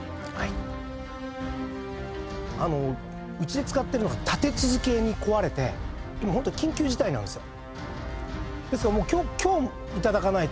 あのうちで使ってるのが立て続けに壊れて今ホント緊急事態なんですよ。